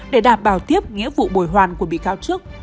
để đảm bảo tiếp nghĩa vụ bồi hoàn của bị cáo trước